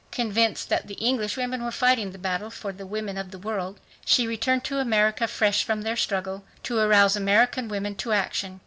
Convinced that the English women were fighting the battle for the women of the world, she returned to America fresh from their struggle, to arouse American women to action.